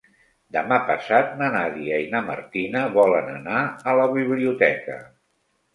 Demà passat na Nàdia i na Martina volen anar a la biblioteca.